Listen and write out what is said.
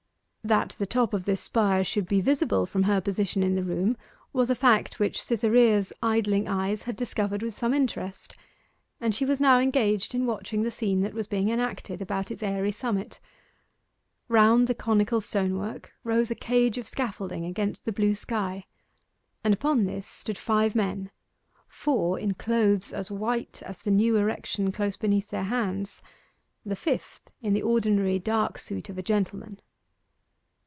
That the top of this spire should be visible from her position in the room was a fact which Cytherea's idling eyes had discovered with some interest, and she was now engaged in watching the scene that was being enacted about its airy summit. Round the conical stonework rose a cage of scaffolding against the blue sky, and upon this stood five men four in clothes as white as the new erection close beneath their hands, the fifth in the ordinary dark suit of a gentleman.